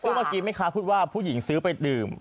เมื่อกี้แม่ค้าพูดว่าผู้หญิงซื้อไปดื่ม